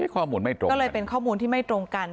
ข้อมูลไม่ตรงก็เลยเป็นข้อมูลที่ไม่ตรงกัน